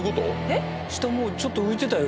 下ちょっと浮いてたよ